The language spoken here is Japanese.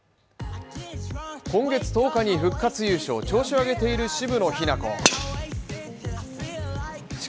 今月１０日に復活優勝調子を上げている渋野日向子。